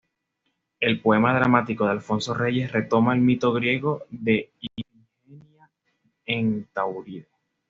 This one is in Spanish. El poema dramático de Alfonso Reyes retoma el mito griego de Ifigenia en Táuride.